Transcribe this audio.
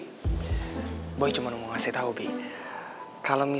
kakak cuma ingin memberitahu learnedo